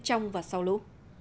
trong và sau lũ